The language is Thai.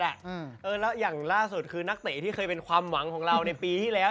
แล้วอย่างล่าสุดคือนักเตะที่เคยเป็นความหวังของเราในปีที่แล้ว